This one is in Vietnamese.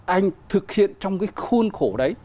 anh thực hiện trong cái khôn khổ đấy